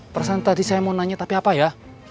pesan tadi saya mau nanya tapi apa ya